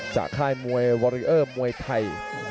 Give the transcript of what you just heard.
จากค่ายมวยวอร์ยอร์มวยไทย